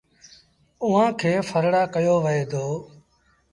اُئآݩ کي ڦرڙآ ڪهيو وهي دو۔